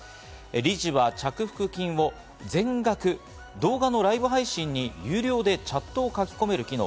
理事は着服金を全額、動画のライブ配信に有料でチャットを書き込める機能